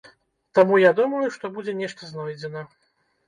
Таму я думаю, што будзе нешта знойдзена.